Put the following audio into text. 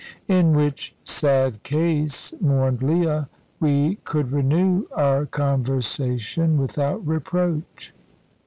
"In which sad case," mourned Leah, "we could renew our conversation without reproach."